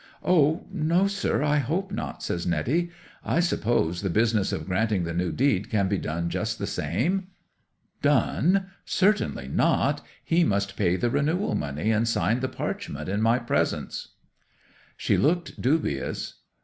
'"O no, sir—I hope not," says Netty. "I suppose the business of granting the new deed can be done just the same?" '"Done? Certainly not. He must pay the renewal money, and sign the parchment in my presence." 'She looked dubious.